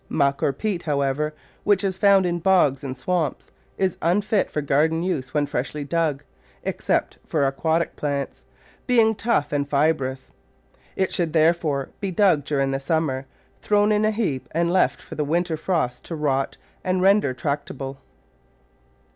Muck or peat, however, which is found in bogs and swamps, is unfit for garden use when freshly dug — except for aquatic plants — being tough and fibrous. It should therefore be dug during the summer, thrown in a heap and left for the winter frost to rot and render tractable.